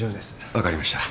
分かりました。